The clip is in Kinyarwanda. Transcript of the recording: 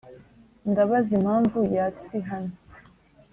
ndabaza impamvu yatsi hano